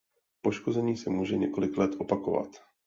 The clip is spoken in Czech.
Poškození se může několik let opakovat.